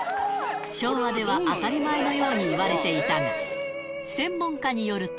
昭和では当たり前のようにいわれていたが、専門家によると。